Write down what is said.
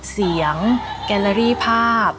เสียงแกลลิรี่ภาพ